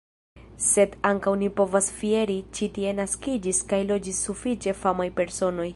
Sed ankaŭ ni povas fieri – ĉi tie naskiĝis kaj loĝis sufiĉe famaj personoj.